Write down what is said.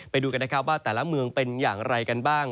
ไปดูกันนะครับว่าแต่ละเมืองเป็นอย่างไรกันบ้าง